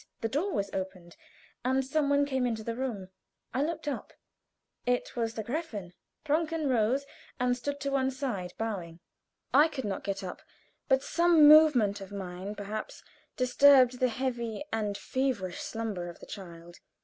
The door was opened, and some one came into the room. I looked up. It was the Gräfin. Brunken rose and stood to one side, bowing. I could not get up, but some movement of mine, perhaps, disturbed the heavy and feverish slumber of the child.